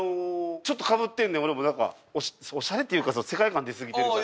ちょっとかぶってんねん俺もなんかオシャレっていうか世界観出すぎてるから。